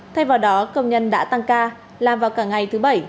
thay vào đó công nhân đã tăng ca làm vào cả ngày thứ bảy